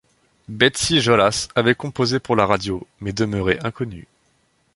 Betsy Jolas avait composé pour la radio, mais demeurait inconnue.